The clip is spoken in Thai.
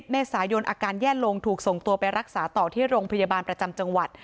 เมษายนอาการแย่ลงถูกส่งตัวไปรักษาต่อที่โรงพยาบาลประจำจังหวัด